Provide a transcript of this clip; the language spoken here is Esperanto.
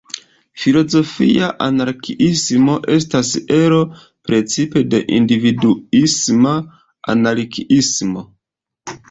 Filozofia anarkiismo "estas ero precipe de individuisma anarkiismo.